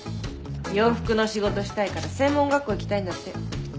洋服の仕事したいから専門学校行きたいんだって。